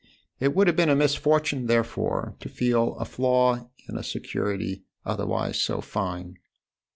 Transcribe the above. It would have been a misfortune therefore to feel a flaw in a security 8 THE OTHER HOUSE otherwise so fine.